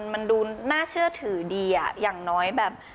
มันดูน่าเชื่อถือดีอ่ะอย่างน้อยแบบ